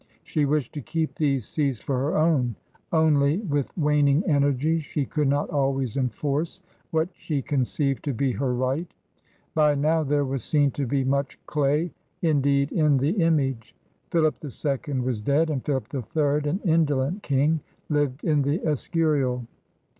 She wished to keep these seas for her own; only, with waning energies, she could not always enforce what she conceived to be her right. By now there was seen to be much day indeed in the image. Philip the Second was dead; and Philip the Third, an indolent king, lived in the Eseurial.